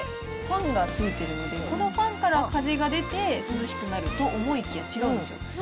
これ、ファンが付いてるので、このファンから風が出て涼しくなると思いきや、違うんですよ。